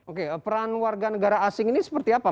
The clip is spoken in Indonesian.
oke peran warga negara asing ini seperti apa